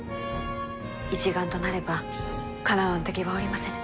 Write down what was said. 一丸となればかなわぬ敵はおりませぬ。